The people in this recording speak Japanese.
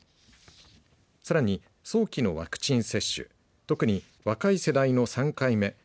さらに早期のワクチン接種特に若い世代の３回目。